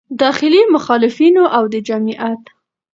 داخلي مخالفینو او د جمعیت